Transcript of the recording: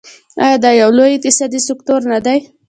آیا دا یو لوی اقتصادي سکتور نه دی؟